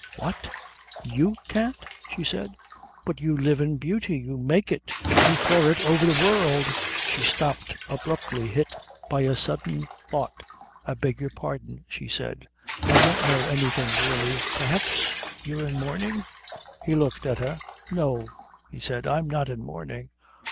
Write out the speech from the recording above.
"What you can't?" she said. "But you live in beauty. You make it. You pour it over the world " She stopped abruptly, hit by a sudden thought. "I beg your pardon," she said. "I don't know anything really. Perhaps you're in mourning?" He looked at her. "No," he said, "I'm not in mourning."